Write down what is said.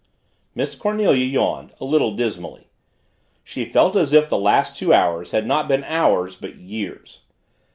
Miss Cornelia yawned, a little dismally. She felt as if the last two hours had not been hours but years.